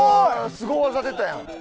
すご技出たやん。